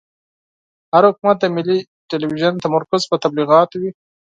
هر حکومت د ملي تلویزون تمرکز پر تبلیغاتو وي.